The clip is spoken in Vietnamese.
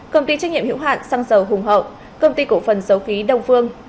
công ty trách nhiệm hiệu hạn sang dầu hùng hậu công ty cổ phần dầu khí đông phương